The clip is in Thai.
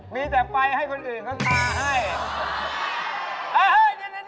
มีแต่ไปให้คนอื่นเขาทาให้